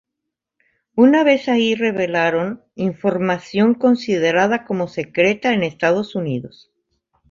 Una vez allí revelaron información considerada como secreta en Estados Unidos.